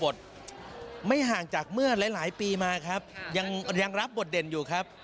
ไม่ห่างจากเมื่อหลายหลายปีมาครับยังยังรับบทเด่นอยู่ครับ